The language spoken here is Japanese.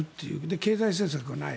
経済政策がない。